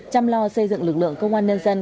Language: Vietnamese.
chăm lo xây dựng lực lượng công an nhân dân